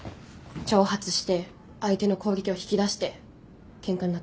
挑発して相手の攻撃を引き出してケンカになってください。